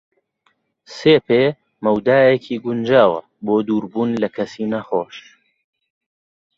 سێ پێ مەودایەکی گونجاوە بۆ دووربوون لە کەسی نەخۆش.